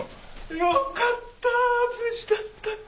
よかった無事だったか。